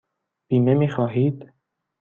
بیمه می خواهید؟